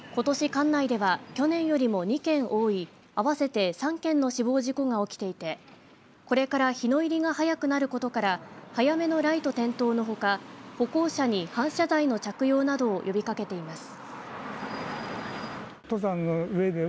管内では去年よりも２件多い合わせて３件の死亡事故が起きていてこれから日の入りが早くなることから早めのライト点灯のほか歩行者に反射材の着用などを呼びかけています。